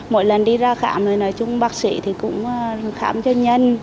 mỗi lần đi ra khám nói chung bác sĩ cũng khám cho nhân